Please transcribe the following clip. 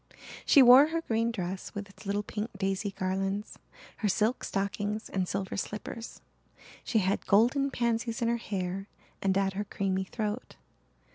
She wore her green dress with its little pink daisy garlands, her silk stockings and silver slippers. She had golden pansies in her hair and at her creamy throat.